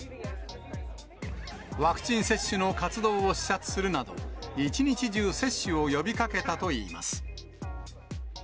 ワクチン接種の活動を視察するなど、１日中、接種を呼びかけたといいます。